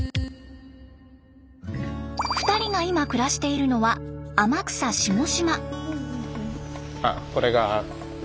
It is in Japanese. ２人が今暮らしているのは天草下島。